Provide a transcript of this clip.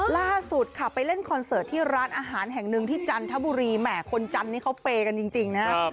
ล่าสุดค่ะไปเล่นคอนเสิร์ตที่ร้านอาหารแห่งหนึ่งที่จันทบุรีแหมคนจันทร์นี้เขาเปย์กันจริงนะครับ